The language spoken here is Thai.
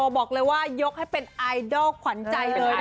บอกเลยว่ายกให้เป็นไอดอลขวัญใจเลย